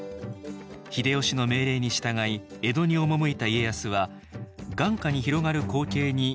秀吉の命令に従い江戸に赴いた家康は眼下に広がる光景に言葉をなくします